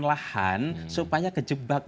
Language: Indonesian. lahan supaya kejebak